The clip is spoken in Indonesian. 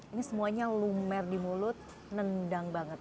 ini semuanya lumer di mulut nendang banget